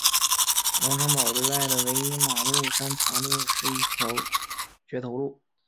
龙成堡对外的唯一马路山塘路是一条掘头路。